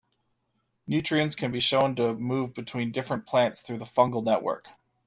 Nutrients can be shown to move between different plants through the fungal network.